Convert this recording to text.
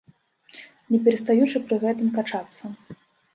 Не перастаючы пры гэтым качацца.